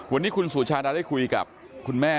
วันนี้คุณสุชาดาได้คุยกับคุณแม่